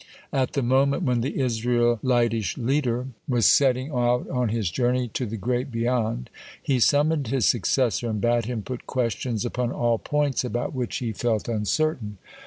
At the moment when the Israelitish leader was setting out on his journey to the great beyond, he summoned his successor and bade him put questions upon all points about which he felt uncertain.